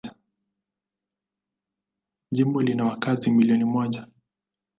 Jimbo lina wakazi milioni moja.